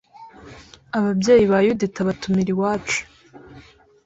ababyeyi ba Yudita batumira iwacu